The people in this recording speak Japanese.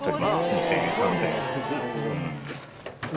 ２０００円３０００円。